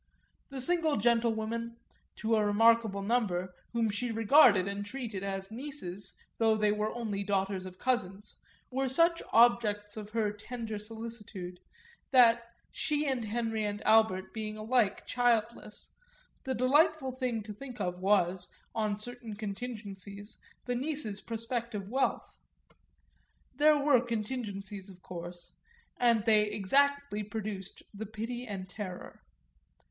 The single gentlewomen, to a remarkable number, whom she regarded and treated as nieces, though they were only daughters of cousins, were such objects of her tender solicitude that, she and Henry and Albert being alike childless, the delightful thing to think of was, on certain contingencies, the nieces' prospective wealth. There were contingencies of course and they exactly produced the pity and terror.